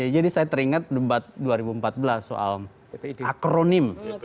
jadi saya teringat dua ribu empat belas soal akronim